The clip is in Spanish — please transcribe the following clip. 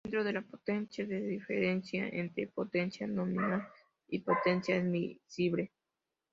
Dentro de la potencia se diferencia entre potencia nominal y potencia admisible.